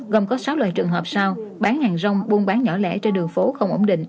gồm có sáu loại trường hợp sao bán hàng rong buôn bán nhỏ lẻ trên đường phố không ổn định